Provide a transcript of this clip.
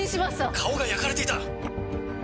顔が焼かれていた。